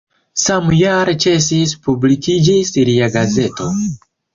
Samjare ĉesis publikiĝis lia gazeto.